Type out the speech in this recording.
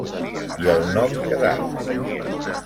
I el nom quedà.